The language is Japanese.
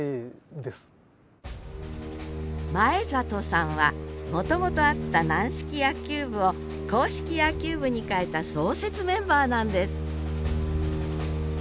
前里さんはもともとあった軟式野球部を硬式野球部に変えた創設メンバーなんです